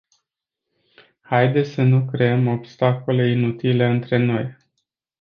Haideți să nu creăm obstacole inutile între noi.